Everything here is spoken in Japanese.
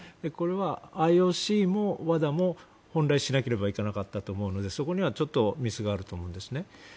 これは、ＩＯＣもＷＡＤＡも本来しなければいけなかったと思うのでそこにはちょっとミスがあると思うんです。